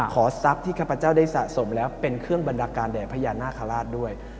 ทรัพย์ที่ข้าพเจ้าได้สะสมแล้วเป็นเครื่องบรรดาการแด่พญานาคาราชด้วย